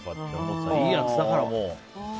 いいやつだから。